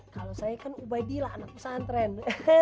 kalau saya kan ubaidillah anak pesantren